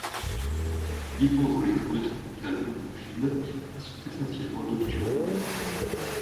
Vivant dans les forêts tropicales ombrophiles, ils sont essentiellement nocturnes.